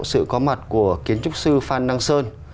sự có mặt của kiến trúc sư phan đăng sơn